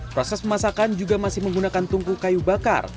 proses pemasakan juga masih menggunakan tungku kayu bakar